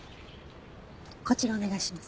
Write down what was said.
こちらお願いします。